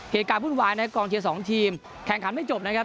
เหตุการณ์วุ่นวายในกองเทียร์๒ทีมแข่งขันไม่จบนะครับ